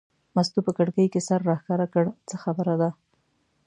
مستو په کړکۍ کې سر راښکاره کړ: څه خبره ده.